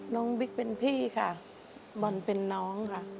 บิ๊กเป็นพี่ค่ะบอลเป็นน้องค่ะ